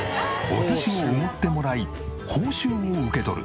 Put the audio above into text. お寿司をおごってもらい報酬を受け取る。